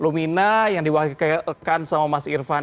lumina yang diwakilkan sama mas irvan ini